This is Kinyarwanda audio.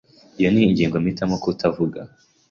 Iyo ni ingingo mpitamo kutavuga.